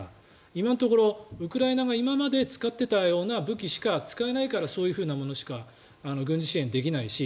今のところウクライナが今まで使っていたような武器しか使えないから、そういうものしか軍事支援できないし